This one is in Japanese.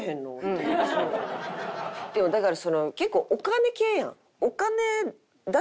でもだから結構お金系やん。